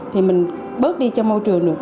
thì mình bớt đi cho môi trường được